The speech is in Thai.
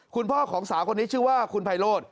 คุณพ่อของสาวคนนี้ชื่อว่าคุณไพโรธ